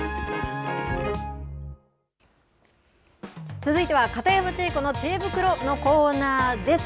続いては片山千恵子のちえ袋のコーナーです。